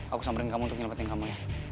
aku samperin kamu untuk nyelepetin kamu ya